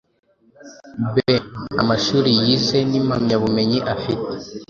b) Amashuri yize n’impamyabumenyi afite